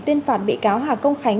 tuyên phạt bị cáo hà công khánh